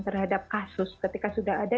terhadap kasus ketika sudah ada